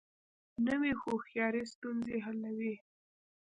نوې هوښیاري ستونزې حلوي